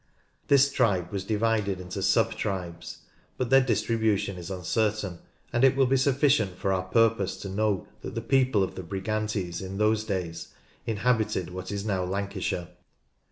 This tribe was divided into sub tribes, but their distribution is uncertain, and it will be sufficient for our purpose to know that the people of the Brigantes in those days inhabited what is now Lan cashire.